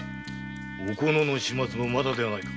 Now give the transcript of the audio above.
おこのの始末もまだではないか。